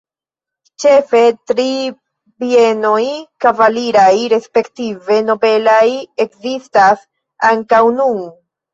Ĉefe tri bienoj kavaliraj respektive nobelaj ekzistas ankoraŭ nun.